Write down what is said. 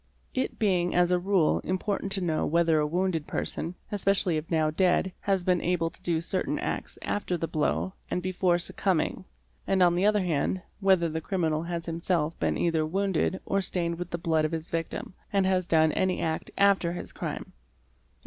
It being as a rule important to know whether a wounded person, especially if now dead, has been able to do certain acts after the blow and before suc cumbing, and on the other hand, whether the criminal has himself been either wounded or stained with the blood of his victim, and has done any act after his crime, é.g.